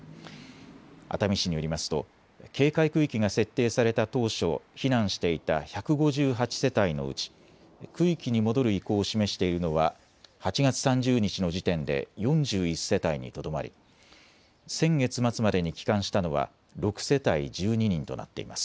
熱海市によりますと警戒区域が設定された当初、避難していた１５８世帯のうち区域に戻る意向を示しているのは８月３０日の時点で４１世帯にとどまり先月末までに帰還したのは６世帯１２人となっています。